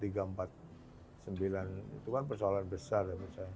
itu kan persoalan besar